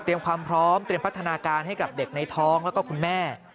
ความพร้อมเตรียมพัฒนาการให้กับเด็กในท้องแล้วก็คุณแม่